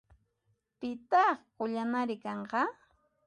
Pitaq qullanari kanqa?